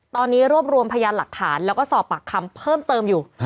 ตอนนี้รวบรวมพยานหลักฐานแล้วก็สอบปากคำเพิ่มเติมอยู่